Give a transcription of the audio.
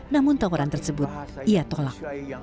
namun tawaran tersebut ia tolak